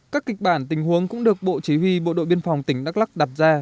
các kịch bản tình huống cũng được bộ chỉ huy bộ đội biên phòng tỉnh đắk lắc đặt ra